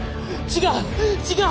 違う！